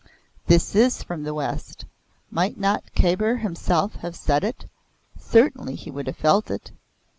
"This is from the West might not Kabir himself have said it? Certainly he would have felt it.